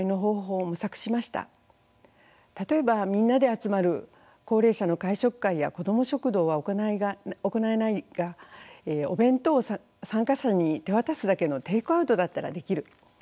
例えばみんなで集まる高齢者の会食会や子ども食堂は行えないがお弁当を参加者に手渡すだけのテイクアウトだったらできる。